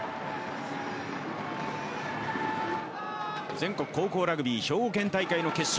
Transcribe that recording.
全国高校ラグビー兵庫県大会の決勝